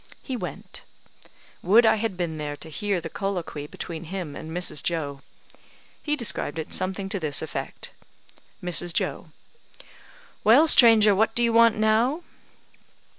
He went. Would I had been there to hear the colloquy between him and Mrs. Joe; he described it something to this effect: Mrs. Joe: "Well, stranger, what do you want now?"